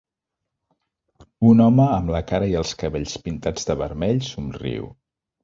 Un home amb la cara i els cabells pintats de vermell somriu.